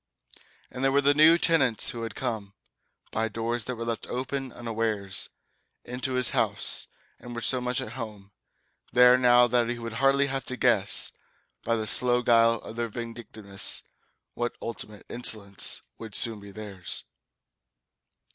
And there were the new tenants who had come, By doors that were left open unawares, Into his house, and were so much at home There now that he would hardly have to guess, By the slow guile of their vindictiveness, What ultimate insolence would soon be theirs.